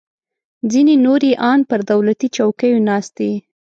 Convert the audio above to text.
ځینې نور یې ان پر دولتي چوکیو ناست دي